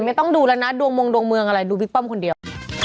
ไม่ต้องดูแล้วนะดวงมงดวงเมืองอะไรดูบิ๊กป้อมคนเดียว